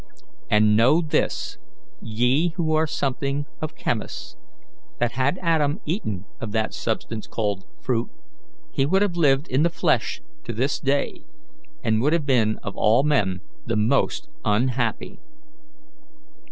And know this, ye who are something of chemists, that had Adam eaten of that substance called fruit, he would have lived in the flesh to this day, and would have been of all men the most unhappy."